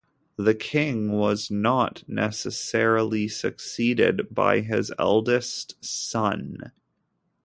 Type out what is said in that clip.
The king was not necessarily succeeded by his eldest sun.